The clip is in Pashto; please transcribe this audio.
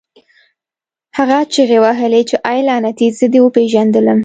هغه چیغې وهلې چې اې لعنتي زه دې وپېژندلم